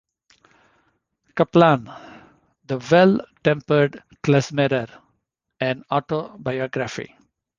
Kaplan: The Well-Tempered Klezmerer: an autobiography.